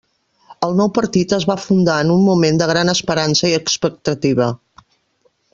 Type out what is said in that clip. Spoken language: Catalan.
El nou partit es va fundar en un moment de gran esperança i expectativa.